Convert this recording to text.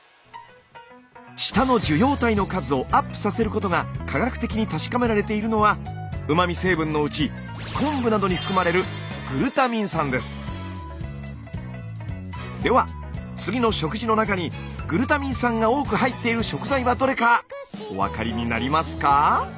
舌の受容体の数をアップさせることが科学的に確かめられているのはうま味成分のうち昆布などに含まれるでは次の食事の中にグルタミン酸が多く入っている食材はどれかお分かりになりますか？